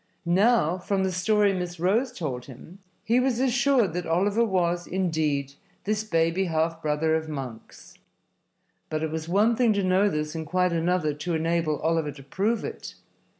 Now, from the story Miss Rose told him, he was assured that Oliver was, indeed, this baby half brother of Monks. But it was one thing to know this and quite another to enable Oliver to prove it.